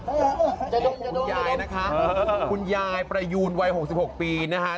โอ้โหคุณยายนะคะคุณยายประยูนวัย๖๖ปีนะคะ